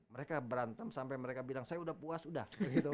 mereka berantem sampai mereka bilang saya udah puas udah